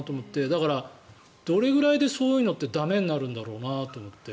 だから、どれぐらいでそういうのって駄目になるんだろうなと思って。